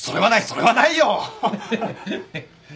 それはないよ。